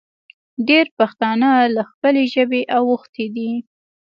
ډېر پښتانه له خپلې ژبې اوښتې دي